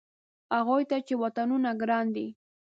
هغوی ته چې وطنونه ګران دي.